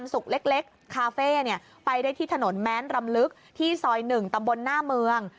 ศุกร์เล็กคาเฟ่ไปได้ที่ถนนแม้นรำลึกที่ซอย๑ตำบลหน้าเมือง